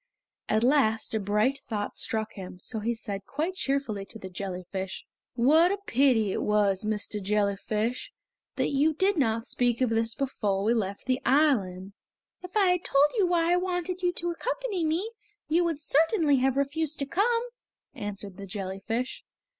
At last a bright thought struck him, so he said quite cheerfully to the jellyfish: "What a pity it was, Mr. Jellyfish, that you did not speak of this before we left the island!" "If I had told you why I wanted you to accompany me you would certainly have refused to come," answered the jellyfish.